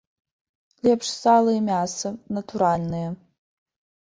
Лепш сала і мяса, натуральнае.